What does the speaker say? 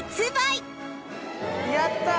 ・やった！